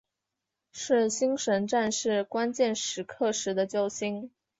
是星神战士关键时刻时的救星。